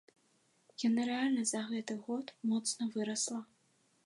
Яна рэальна за гэты год моцна вырасла.